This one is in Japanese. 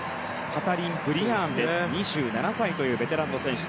カタリン・ブリアーン、２７歳というベテランの選手。